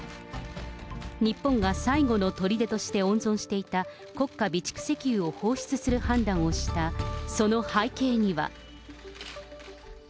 日本が最後のとりでとして温存していた国家備蓄石油を放出する判断をしたその背景には。